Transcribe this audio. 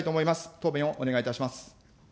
答弁をお願いいたします。